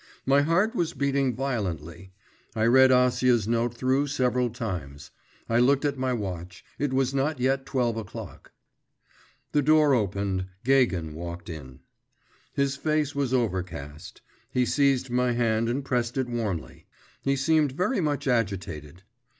My heart was beating violently. I read Acia's note through several times. I looked at my watch; it was not yet twelve o'clock. The door opened, Gagin walked in. His face was overcast. He seized my hand and pressed it warmly. He seemed very much agitated.